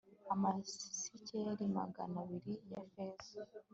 amasikeli magana abiri ya feza